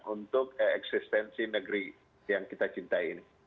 untuk eksistensi negeri yang kita cintai ini